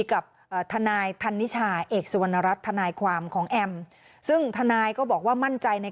ถ้าภายหลังที่เปิดออกมาแล้ววันนั้นอาจจะตกใจว่า